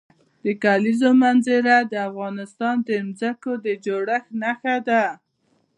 د کلیزو منظره د افغانستان د ځمکې د جوړښت نښه ده.